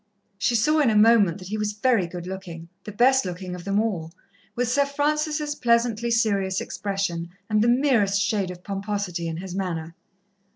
She saw in a moment that he was very good looking, the best looking of them all, with Sir Francis' pleasantly serious expression and the merest shade of pomposity in his manner.